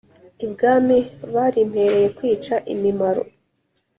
ibwami barimpereye kwica imimaro